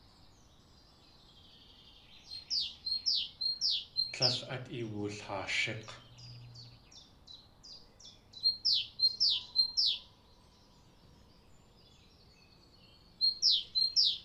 Líl át iwulhaashík̲!